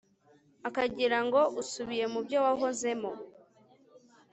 akagira ngo usubiye mu byo wahozemo